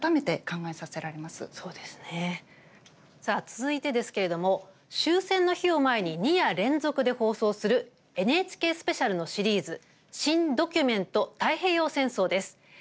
続いてですけれども終戦の日を前に２夜連続で放送する「ＮＨＫスペシャル」のシリーズ「新・ドキュメント太平洋戦争」です。